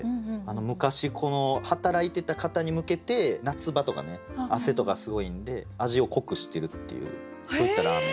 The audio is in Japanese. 昔働いてた方に向けて夏場とかね汗とかすごいんで味を濃くしてるっていうそういったラーメン。